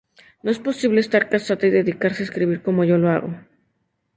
No es posible estar casada y dedicarse a escribir como yo lo hago.